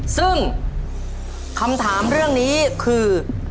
ซึ่งคำถามเรื่องนี้คือ